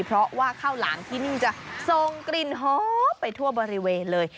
เพราะว่าข้าวหลามที่นี่จะส่งกลิ่นหอมไปทั่วบริเวณเลย